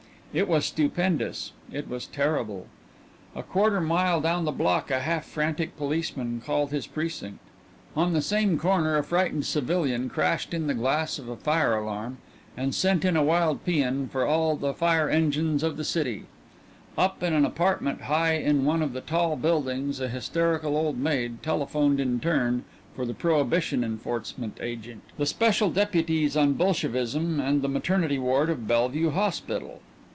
It was stupendous; it was terrible. A quarter mile down the block a half frantic policeman called his precinct; on the same corner a frightened civilian crashed in the glass of a fire alarm and sent in a wild paean for all the fire engines of the city; up in an apartment high in one of the tall buildings a hysterical old maid telephoned in turn for the prohibition enforcement agent; the special deputies on Bolshevism, and the maternity ward of Bellevue Hospital.